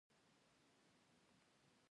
ځوانان هلته وخت تیروي.